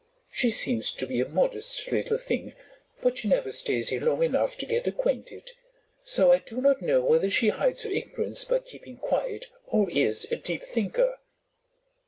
She seems to be a modest little thing, but she never stays here long enough to get acquainted; so I do not know whether she hides her ignorance by keeping quiet or is a deep thinker."